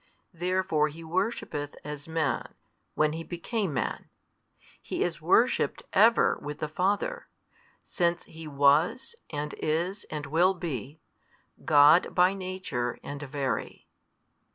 Therefore He worshippeth as Man, when He became Man; He is worshipped ever with the Father, since He was and is and will be, God by Nature and Very.